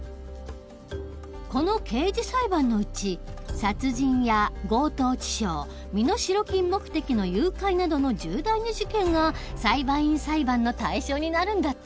この刑事裁判のうち殺人や強盗致傷身代金目的の誘拐などの重大な事件が裁判員裁判の対象になるんだって。